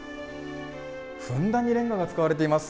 ふんだんにレンガが使われています。